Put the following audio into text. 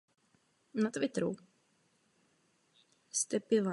Byl úspěšný.